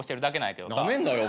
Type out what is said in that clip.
なめんなよ